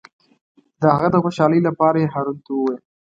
د هغه د خوشحالۍ لپاره یې هارون ته وویل.